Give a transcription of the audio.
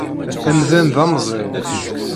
Amdan d amẓiw.